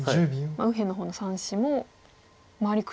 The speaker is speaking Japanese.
右辺の方の３子も周り